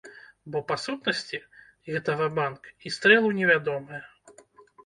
Бо, па сутнасці, гэта ва-банк і стрэл у невядомае.